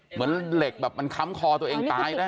เหมือนเหล็กแบบมันค้ำคอตัวเองตายได้